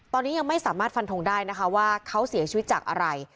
ตอนนี้ยังไม่สามารถฟันทงได้นะคะว่าเขาเสียชีวิตจากอะไร